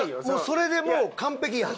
それでもう完璧やん。